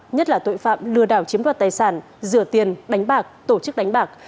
nhất là tội phạm lừa đảo chiếm đoạt tài sản rửa tiền đánh bạc tổ chức đánh bạc